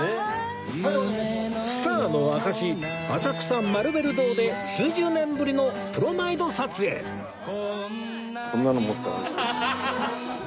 スターの証し浅草マルベル堂で数十年ぶりのプロマイド撮影ハハハ。